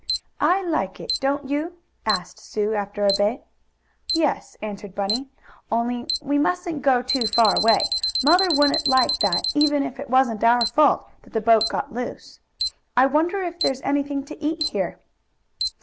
"I like it; don't you?" asked Sue, after a bit. "Yes," answered Bunny. "Only we musn't go too far away. Mother wouldn't like that even if it wasn't our fault that the boat got loose. I wonder if there's anything to eat here."